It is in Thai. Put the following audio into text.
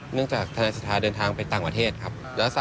เนื่องจากธนายศิษฐาเดินทางไปต่างประเทศครับ